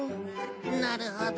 なるほど。